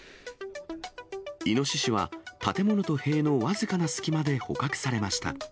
イノシシは建物と塀の僅かな隙間で捕獲されました。